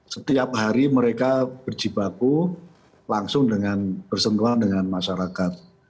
setiap hari mereka berjibaku langsung dengan bersentuhan dengan masyarakat